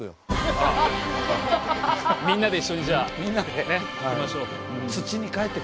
みんなで一緒にじゃあ行きましょう。